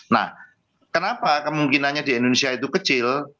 nah kenapa kemungkinannya di indonesia itu kecil